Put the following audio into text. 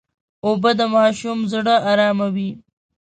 اوبه د ماشوم ژړا اراموي.